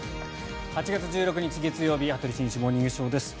８月１６日、月曜日「羽鳥慎一モーニングショー」。